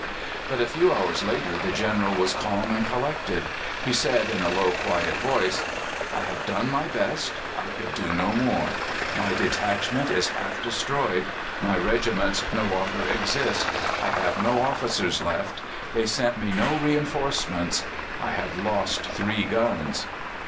But a few hours later the General was calm and collected. He said in a low, quiet voice: "I have done my best; I could do no more. My detachment is half destroyed; my regiments no longer exist; I have no officers left. They sent me no reinforcements. I have lost three guns!"